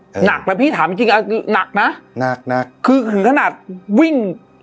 อืมหนักนะพี่ถามจริงจริงอ่ะหนักน่ะหนักหนักคือคือขนาดวิ่ง